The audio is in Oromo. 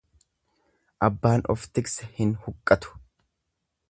Abbaan of tikse hin huqqatu.